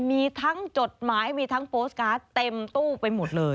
มีทั้งจดหมายมีทั้งโปสตการ์ดเต็มตู้ไปหมดเลย